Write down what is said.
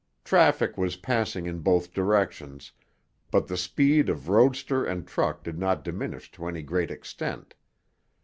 Traffic was passing in both directions, but the speed of roadster and truck did not diminish to any great extent.